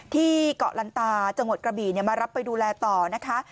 ที่เกาะลันตาจังหวัดกระบี่มารับไปดูแลต่อนะคะ